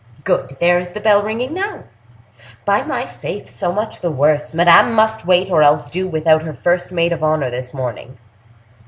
Good! there is the bell ringing now. By my faith, so much the worse! Madame must wait, or else do without her first maid of honor this morning."